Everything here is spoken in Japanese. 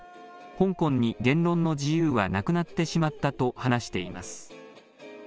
香港に言論の自由はなくなってしまったと話しています。